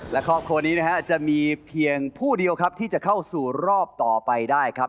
และครอบครัวนี้นะฮะจะมีเพียงผู้เดียวครับที่จะเข้าสู่รอบต่อไปได้ครับ